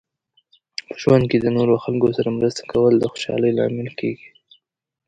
په ژوند کې د نورو خلکو سره مرسته کول د خوشحالۍ لامل کیږي.